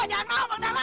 jangan maul bang dahlan